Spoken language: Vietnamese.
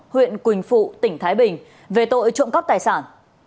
huyện quỳnh phụ tỉnh thái bình về tội trộm cắp tài sản